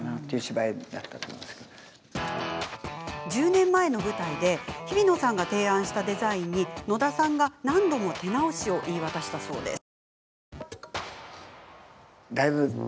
１０年前の舞台でひびのさんが提案したデザインに野田さんが何度も手直しを言い渡したそうです。